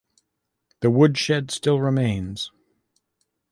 The woodshed still remains.